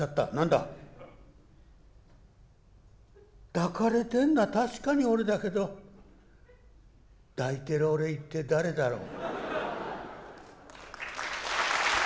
「抱かれてんのは確かに俺だけど抱いてる俺は一体誰だろう？」。